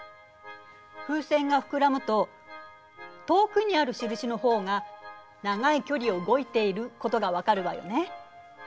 風船が膨らむと遠くにある印のほうが長い距離を動いていることが分かるわよね。